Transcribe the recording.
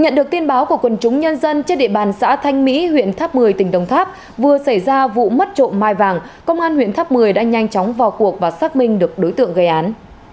để được tin báo của quần chúng nhân dân trên địa bàn xã thanh mỹ huyện tháp mười tỉnh đồng tháp vừa xảy ra vụ mất trộm mai vàng công an huyện tháp mười đã nhanh chóng vào cuộc và xác minh được đối tượng gây án